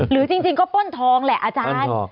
จริงก็ป้นทองแหละอาจารย์